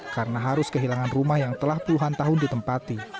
karena harus kehilangan rumah yang telah puluhan tahun ditempati